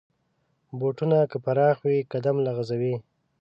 بوټونه که پراخ وي، قدم لغزوي.